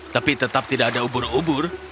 tapi tetap tidak ada ubur ubur